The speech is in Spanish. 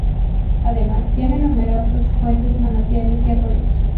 Además tiene numerosas fuentes, manantiales y arroyos.